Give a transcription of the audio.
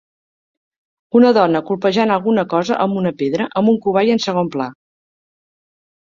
Una dona colpejant alguna cosa amb una pedra, amb un cobai en segon pla.